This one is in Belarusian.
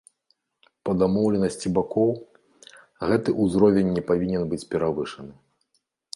Па дамоўленасці бакоў, гэты ўзровень не павінен быць перавышаны.